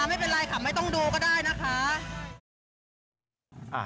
ไม่เป็นไรค่ะไม่ต้องดูก็ได้นะคะ